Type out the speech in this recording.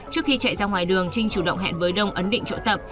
trước khi chạy ra ngoài đường trinh chủ động hẹn với đông ấn định chỗ tập